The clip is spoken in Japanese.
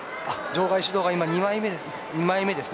場外指導が２枚目です。